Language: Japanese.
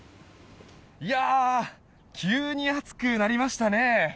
急に暑くなりましたね！